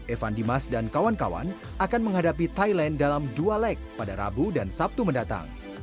evan dimas dan kawan kawan akan menghadapi thailand dalam dua leg pada rabu dan sabtu mendatang